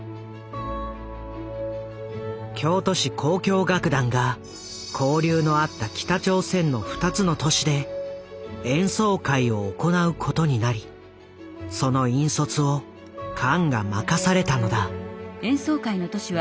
京都市交響楽団が交流のあった北朝鮮の２つの都市で演奏会を行うことになりその引率をカンが任されたのだ。